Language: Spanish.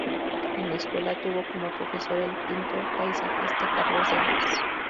En la Escuela tuvo como profesor al pintor paisajista Carlos de Haes.